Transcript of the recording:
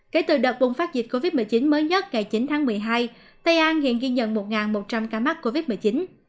kể từ đợt bùng phát dịch covid một mươi chín mới nhất ngày chín tháng một mươi hai tây an hiện ghi nhận một một trăm linh ca mắc covid một mươi chín